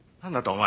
お前。